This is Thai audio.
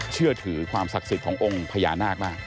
เชื่อถือความศักดิ์สิทธิ์ขององค์พญานาคมาก